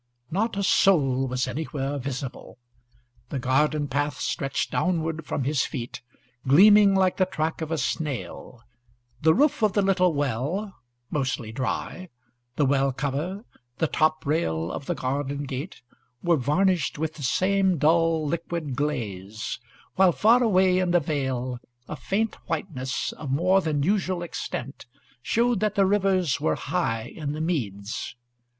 Not a soul was anywhere visible. The garden path stretched downward from his feet, gleaming like the track of a snail; the roof of the little well (mostly dry), the well cover, the top rail of the garden gate, were varnished with the same dull liquid glaze; while, far away in the vale, a faint whiteness of more than usual extent showed that the rivers were high in the meads.